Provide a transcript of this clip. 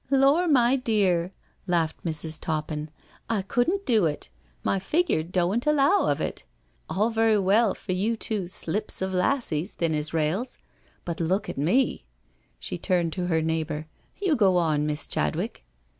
" Lor*, my dear,*' laughed Mrs. Toppin. " I couldn*t do it— my figure doan*t allow of it. All very well for you two slips of lassies, thin as rails— but look at me I*' She turned to her neighbour: "You go on. Miss Chadwick.